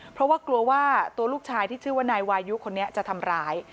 เพราะว่ากลัวว่าตัวลูกชายที่ชื่อว่านายวายุคนนี้จะทำร้าย